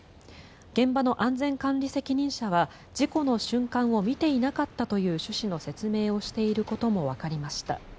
現場の安全管理責任者は事故の瞬間を見ていなかったという趣旨の説明をしていることもわかりました。